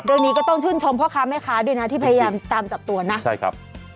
เรื่องนี้ก็ต้องชื่นชมพ่อค้าแม่ค้าด้วยนะที่พยายามตามจับตัวนะใช่ครับ